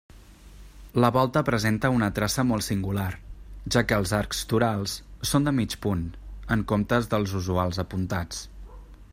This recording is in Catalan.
La volta presenta una traça molt singular, ja que els arcs torals són de mig punt, en compte dels usuals apuntats.